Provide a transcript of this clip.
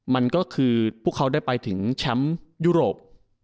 มันก็คือพวกเขาได้ไปถึงแชมป์ยุโรป